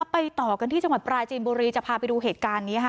ไปต่อกันที่จังหวัดปราจีนบุรีจะพาไปดูเหตุการณ์นี้ค่ะ